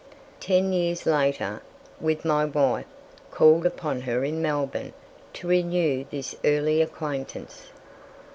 Ten years later I, with my wife, called upon her in Melbourne to renew this early acquaintance.